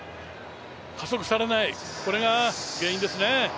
加速されない、これが原因ですね。